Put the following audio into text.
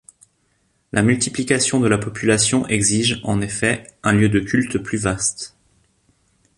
La multiplication de la population exige, en effet, un lieu de culte plus vaste.